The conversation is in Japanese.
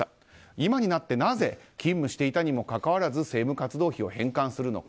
今になって、なぜ勤務していたにもかかわらず政務活動費を返還するのか。